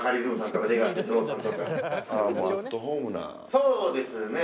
そうですね！